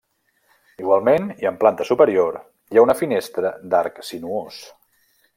Igualment, i en planta superior, hi ha una finestra d'arc sinuós.